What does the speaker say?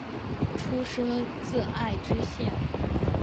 出身自爱知县。